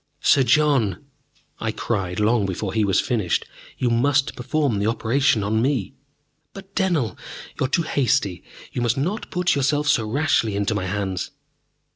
"Sir John!" I cried, long before he was finished. "You must perform that operation on me!" "But, Dennell, you are too hasty. You must not put yourself so rashly into my hands."